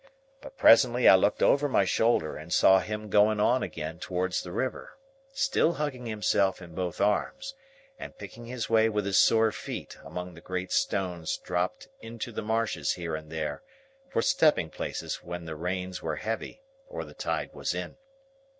But presently I looked over my shoulder, and saw him going on again towards the river, still hugging himself in both arms, and picking his way with his sore feet among the great stones dropped into the marshes here and there, for stepping places when the rains were heavy or the tide was in.